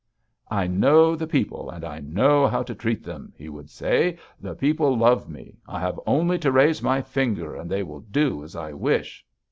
"'I know the people and I know how to treat them,' he would say. 'The people love me. I have only to raise my finger and they will do as I wish.'